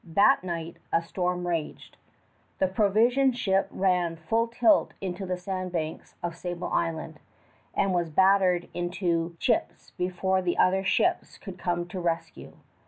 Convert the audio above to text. That night a storm raged. The provision ship ran full tilt into the sand banks of Sable Island, and was battered into chips before the other ships could come to rescue.